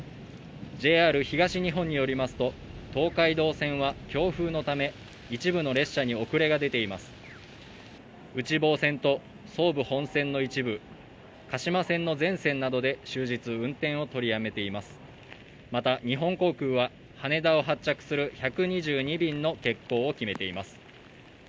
ＪＲ東日本によりますと東海道線は強風のため一部の列車に遅れが出ています内房線と総武本線の一部鹿島線の全線などで終日運転を取りやめていますまた日本航空は羽田を発着する１２２便の欠航を決めています